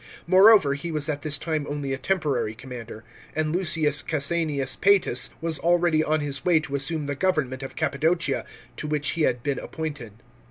Moreover he was at this time only a temporary commander, and Lucius Csesennius Ptetus was already on his way to assume the government of Cappadocia, to which he had been appointed.